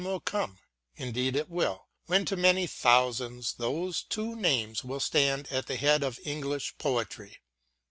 WORDSWORTH AS A TEACHER loi come, indeed it will, when to many thousands those two names will stand at the head of English poetry.